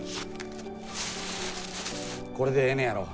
これでええねやろ。